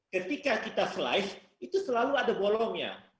ketika kita flive itu selalu ada bolongnya